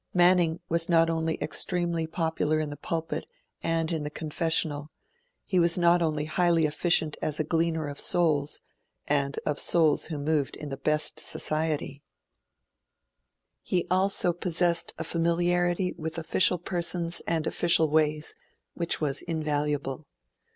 Manning was not only extremely popular in the pulpit and in the confessional; he was not only highly efficient as a gleaner of souls and of souls who moved in the best society; he also possessed a familiarity with official persons and official ways, which was invaluable.